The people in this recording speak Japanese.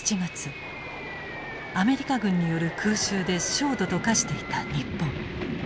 アメリカ軍による空襲で焦土と化していた日本。